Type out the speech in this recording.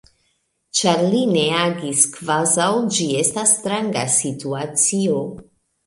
Ĉar li ne agis kvazaŭ ĝi estas stranga situacio.